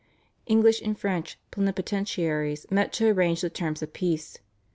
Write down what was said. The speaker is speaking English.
English and French plenipotentiaries met to arrange the terms of peace.